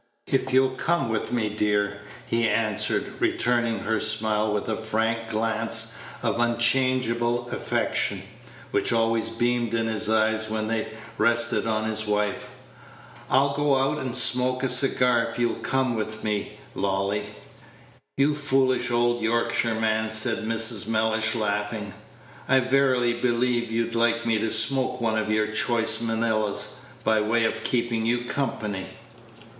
"If you'll come with me, dear," he answered, returning her smile with a frank glance of unchangeable affection, which always beamed in his eyes when they rested on his wife. "I'll go out and smoke a cigar if you'll come with me, Lolly." "You foolish old Yorkshireman," said Mrs. Mellish, laughing, "I verily believe you'd like me to smoke one of your choice Manillas, by way of keeping you company."